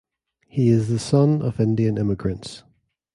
He is the son of Indian immigrants.